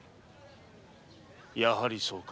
やはりそうか。